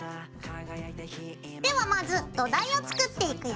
ではまず土台を作っていくよ。